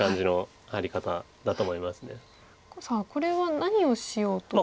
さあこれは何をしようと。